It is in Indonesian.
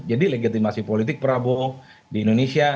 jadi legitimasi politik prabowo di indonesia